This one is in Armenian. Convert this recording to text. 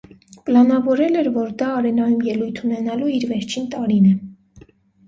Պլանավորել էր, որ դա արենայում ելույթ ունենալու իր վերջին տարին է։